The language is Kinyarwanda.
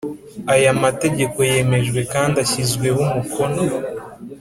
Aya mategeko yemejwe kandi ashyizweho umukono